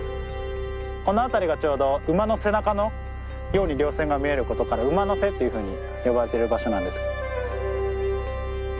この辺りがちょうど馬の背中のように稜線が見えることから馬の背っていうふうに呼ばれてる場所なんです。